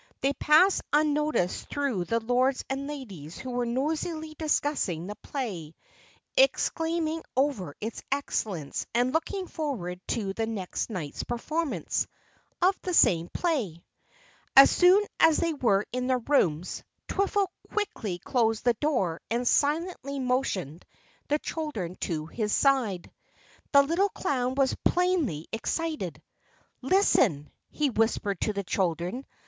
They passed unnoticed through the Lords and Ladies who were noisily discussing the play, exclaiming over its excellence, and looking forward to the next night's performance of the same play. As soon as they were in their rooms, Twiffle quickly closed the door and silently motioned the children to his side. The little clown was plainly excited. "Listen," he whispered to the children.